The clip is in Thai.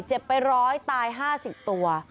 เจ็บไปร้อยตาย๕๐ตัว